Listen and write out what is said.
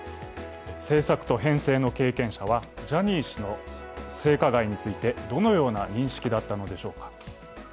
制作と編成の経験者はジャニー氏の性加害についてどのような認識だったのでしょうか。